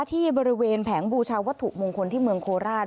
ที่บริเวณแผงบูชาวัตถุมงคลที่เมืองโคราช